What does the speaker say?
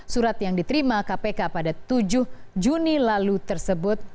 surat yang diterima kpk pada tujuh juni lalu tersebut